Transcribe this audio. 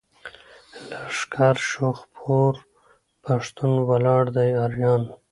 لښکر شو خپور پښتون ولاړ دی اریان.